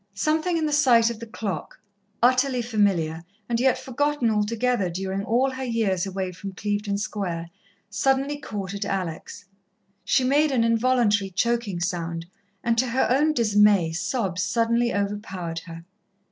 Something in the sight of the clock, utterly familiar, and yet forgotten altogether during all her years away from Clevedon Square, suddenly caught at Alex. She made an involuntary, choking sound, and to her own dismay, sobs suddenly overpowered her.